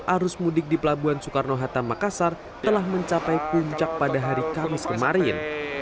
arus mudik di pelabuhan soekarno hatta makassar telah mencapai puncak pada hari kamis kemarin